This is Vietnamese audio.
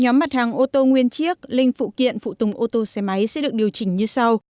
nhóm mặt hàng ô tô nguyên chiếc linh phụ kiện phụ tùng ô tô xe máy sẽ được điều chỉnh như sau